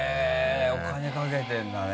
お金かけてるんだね。